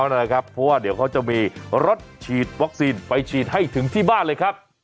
เพราะว่าเดี๋ยวเขาจะมีรถฉีดวัคซีนไปฉีดให้ถึงที่บ้านเลยครับ